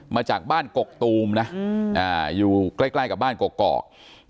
มาจากบ้านกกตูมนะอยู่ใกล้กับบ้านกอก